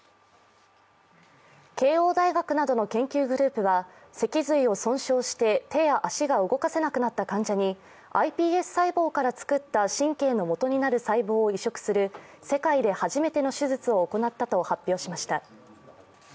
慶応大学などの研究グループは脊髄を損傷して手や足が動かせなくなった患者にｉＰＳ細胞から作った神経のもとになる細胞を移植する世界で初めての手術を行ったと発表しました。